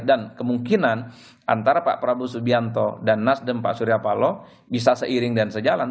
dan kemungkinan antara pak prabowo subianto dan nasden pak suryapallo bisa seiring dan sejalan